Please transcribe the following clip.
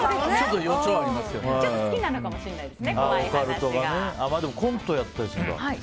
好きなのかもしれないですね。